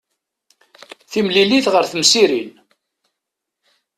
Timmlilit ɣer temsirin.